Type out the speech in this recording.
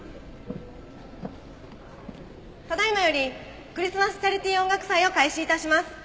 ただ今よりクリスマスチャリティー音楽祭を開始致します。